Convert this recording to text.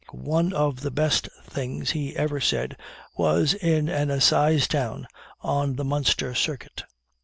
"One of the best things he ever said was in an assize town on the Munster circuit.